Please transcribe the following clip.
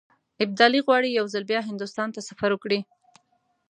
ابدالي غواړي یو ځل بیا هندوستان ته سفر وکړي.